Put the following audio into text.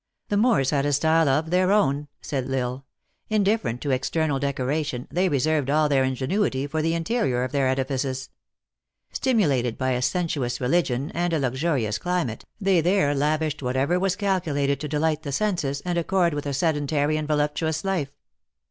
"The Moors had a style. of their own," said L Isle. "Indifferent to external decoration, they reserved all their ingenuity for the interior of their edifices. Stim ulated by a sensuous religion and a luxurious climate, they there lavished whatever was calculated to de light the senses, and accord with a sedentary and voluptuous life.